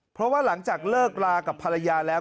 เพราะว่าหลังจากเลิกลากับภรรยาแล้ว